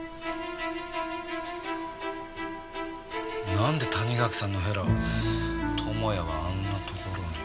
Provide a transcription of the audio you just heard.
なんで谷垣さんのへらを友也はあんなところに。